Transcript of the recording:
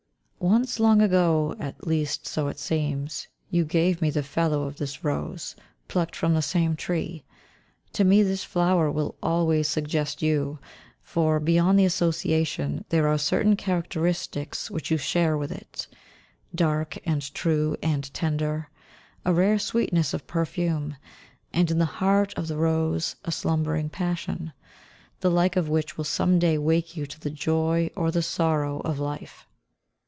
Once, long ago, at least so it seems, you gave me the fellow of this rose, plucked from the same tree. To me this flower will always suggest you, for, beyond the association, there are certain characteristics which you share with it, "dark and true and tender," a rare sweetness of perfume and, in the heart of the rose, a slumbering passion, the like of which will some day wake you to the joy or the sorrow of life.